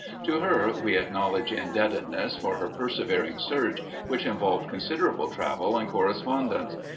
To her we acknowledge indebtedness for her persevering search, which involved considerable travel and correspondence.